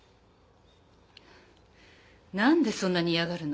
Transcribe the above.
何でそんなに嫌がるの。